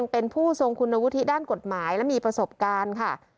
เป็นผู้ทรงคุณวุฒิด้านกฎหมายและมีประสบการณ์ค่ะ